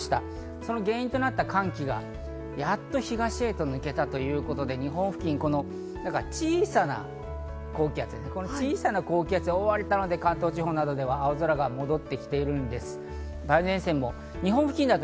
その原因となった寒気がやっと東へと抜けたということで、日本付近、小さな高気圧、小さな高気圧に覆われたので、関東地方は青空が戻ってきているんです。